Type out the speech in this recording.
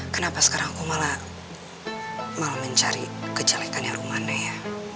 kenapa sekarang aku malah mencari kejelekannya romana ya